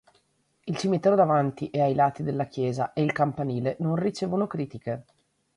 Il cimitero davanti e ai lati della chiesa e il campanile non ricevono critiche.